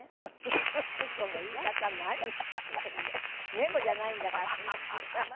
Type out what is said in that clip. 猫じゃないんだからそんな。